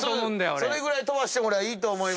それぐらい飛ばしてもいいと思います